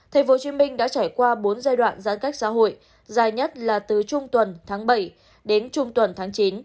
tp hcm đã trải qua bốn giai đoạn giãn cách xã hội dài nhất là từ trung tuần tháng bảy đến trung tuần tháng chín